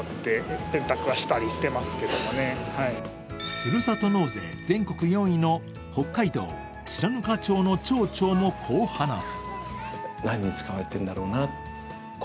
ふるさと納税、全国４位の北海道白糠町の町長もこう話す。